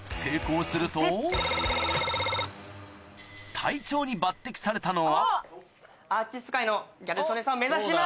隊長に抜擢されたのは？